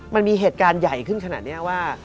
มันมีเหตุการณ์ใหญ่ขึ้นขนาดนี้ว่า